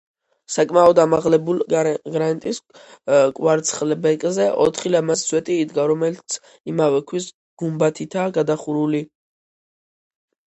საკმაოდ ამაღლებულ გრანიტის კვარცხლბეკზე ოთხი ლამაზი სვეტი იდგა, რომელიც იმავე ქვის გუმბათითაა გადახურული.